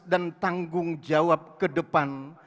dan tanggung jawab ke depan